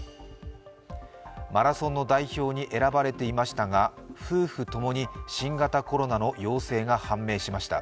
マラソンの代表に選ばれていましたが、夫婦共に新型コロナの陽性が判明しました。